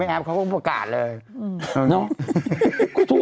เหนื่อย